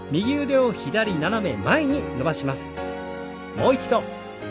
もう一度。